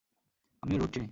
আমিও রুট চিনি।